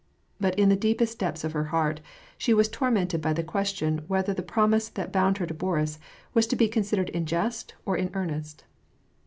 But in the deepest depths of her heart, she was tormented by the question whether the promise that bound her to Boris was to be con sidered in jest or in earnest.